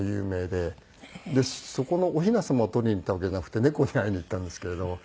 でそこのお雛様を撮りに行ったわけじゃなくて猫に会いに行ったんですけれども。